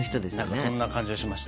何かそんな感じがしましたね。